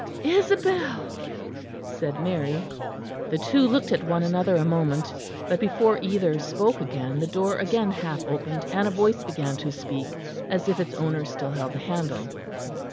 "Isabel," said Mary. The two looked at one another a moment, but before either spoke again the door again half opened, and a voice began to speak, as if its owner still held the handle.